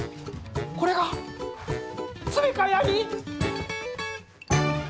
これがつべかやり？